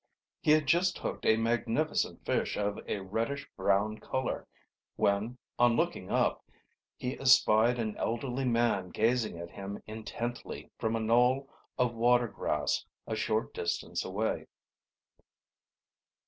He had just hooked a magnificent fish of a reddish brown color, when, on looking up, he espied an elderly man gazing at him intently from a knoll of water grass a short distance away.